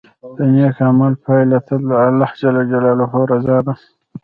د نیک عمل پایله تل د الله رضا ده.